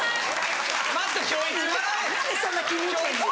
何でそんな気に入ってんの？